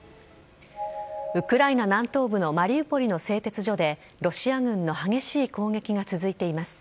ウクライナ南東部のマリウポリの製鉄所でロシア軍の激しい攻撃が続いています。